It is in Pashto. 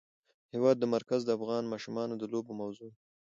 د هېواد مرکز د افغان ماشومانو د لوبو موضوع ده.